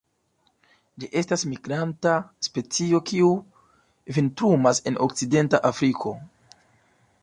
Ĝi estas migranta specio, kiu vintrumas en okcidenta Afriko.